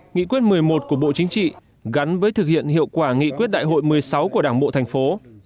nghị quyết một mươi một của bộ chính trị gắn với thực hiện hiệu quả nghị quyết đại hội một mươi sáu của đảng bộ thành phố